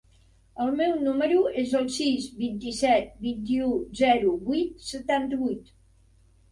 El meu número es el sis, vint-i-set, vint-i-u, zero, vuit, setanta-vuit.